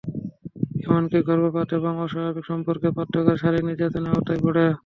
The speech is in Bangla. এমনকি গর্ভপাত এবং অস্বাভাবিক সম্পর্কে বাধ্য করা শারীরিক নির্যাতনের আওতায়ও পড়ে।